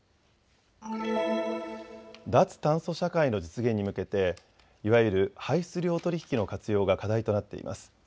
脱炭素社会の実現に向けていわゆる排出量取引の活用が課題となっています。